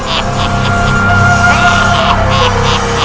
jangan ganggu dia